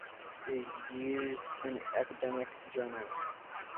It is used in academic journals.